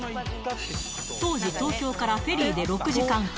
当時、東京からフェリーで６時間半。